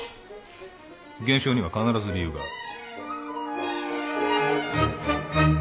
現象には必ず理由がある。